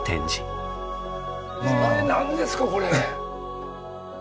え何ですかこれ？